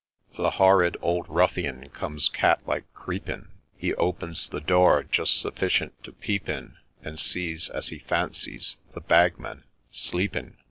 The horrid old ruffian comes, cat like, creeping ;— He opens the door just sufficient to peep in, And sees, as he fancies, the Bagman sleeping I 206 MR.